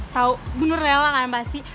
tau bener lelah kan pasti